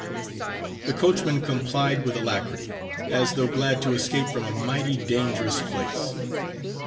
The coachman complied with alacrity, as though glad to escape from a mighty dangerous place.